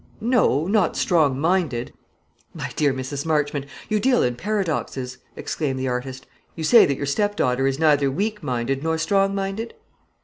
"No; not strong minded." "My dear Mrs. Marchmont, you deal in paradoxes," exclaimed the artist. "You say that your stepdaughter is neither weak minded nor strong minded?"